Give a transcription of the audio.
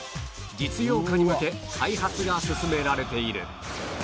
実用化に向け開発が進められている